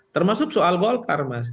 termasuk soal golkar mas